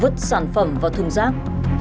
vứt sản phẩm vào thương giác